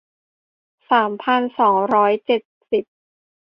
สามพันสองร้อยเจ็ดสิบ